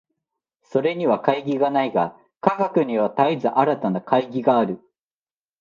それには懐疑がないが、科学には絶えず新たな懐疑がある。